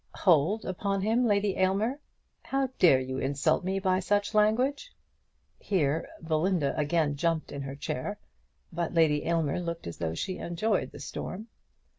"Hold upon him, Lady Aylmer! How dare you insult me by such language?" Hereupon Belinda again jumped in her chair; but Lady Aylmer looked as though she enjoyed the storm.